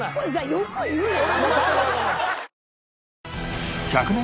よく言うよ！